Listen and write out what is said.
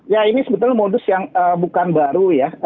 ya ini sebetulnya modus yang bukan baru ya